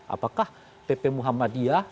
apakah pp muhammadiyah